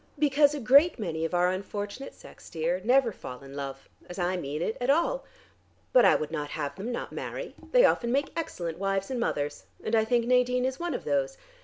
"Because a great many of our unfortunate sex, dear, never fall in love, as I mean it, at all. But I would not have them not marry. They often make excellent wives and mothers. And I think Nadine is one of those.